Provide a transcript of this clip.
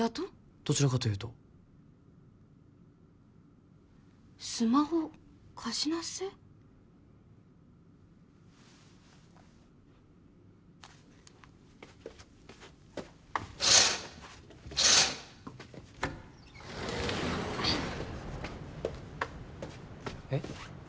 どちらかというとスマホ貸しなっせえっ？